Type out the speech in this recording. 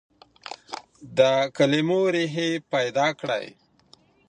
د کلمو ريښې پيدا کړئ.